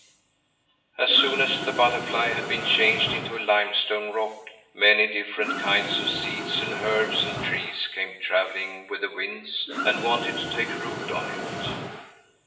"As soon as the butterfly had been changed into a limestone rock, many different kinds of seeds of herbs and trees came travelling with the winds, and wanted to take root on it.